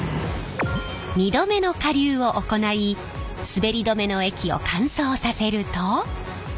２度目の加硫を行いすべり止めの液を乾燥させると。